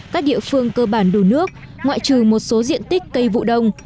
các địa phương cơ bản đủ nước ngoại trừ một số diện tích cây vụ đông